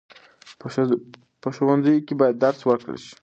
په ښوونځیو کې باید درس ورکړل شي.